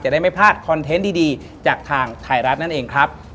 ได้ไม่พลาดคอนเทนต์ดีจากทางไทยรัฐนั่นเองครับ